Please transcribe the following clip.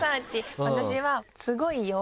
私は。